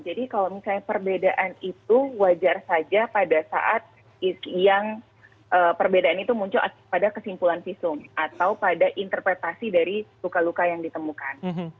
jadi kalau misalnya perbedaan itu wajar saja pada saat yang perbedaan itu muncul pada kesimpulan visum atau pada interpretasi dari luka luka yang ditemukan